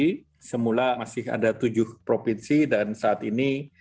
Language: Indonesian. jadi semula masih ada tujuh provinsi dan saat ini